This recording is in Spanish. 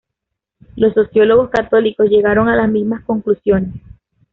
Los sociólogos católicos llegaron a las mismas conclusiones.